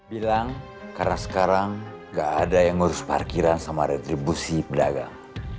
bilang karena sekarang gak ada yang ngurus parkiran sama retribusi pedagang